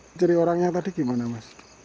mencari orangnya tadi gimana mas